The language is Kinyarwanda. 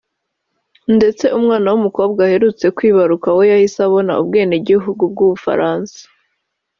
ndetse umwana w’umukobwa aherutse kwibaruka we yahise abona ubwenegihugu bw’u Bufaransa